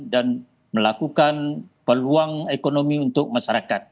dan melakukan peluang ekonomi untuk masyarakat